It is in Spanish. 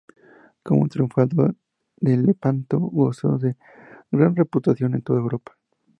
Como triunfador de Lepanto, gozó de gran reputación en toda Europa.